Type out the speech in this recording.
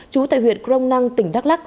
chú tài huyện crong năng tỉnh đắk lắc